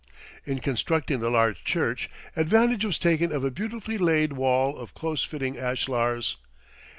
In constructing the large church, advantage was taken of a beautifully laid wall of close fitting ashlars.